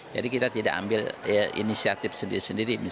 jadi kita tidak ambil inisiatif sendiri sendiri